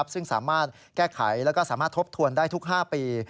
ซึ่งสามารถแก้ไขและสามารถทบทวนได้ทุก๕ปี